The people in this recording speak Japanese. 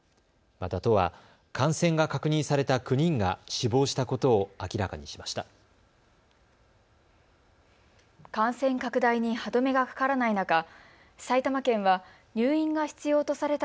また、都は感染が確認された９人が死亡したことを明らかにしました。